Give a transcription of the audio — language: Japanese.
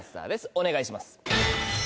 お願いします。